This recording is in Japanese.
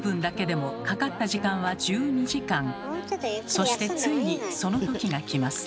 そしてついにその時が来ます。